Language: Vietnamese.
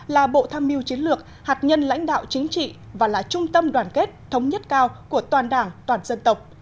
là bộ tham mưu chiến lược hạt nhân lãnh đạo chính trị và là trung tâm đoàn kết thống nhất cao của toàn đảng toàn dân tộc